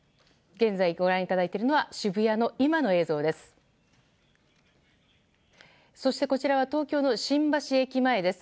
現在、ご覧いただいているのは渋谷の今の映像です。